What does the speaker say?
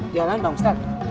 jalan bang ustadz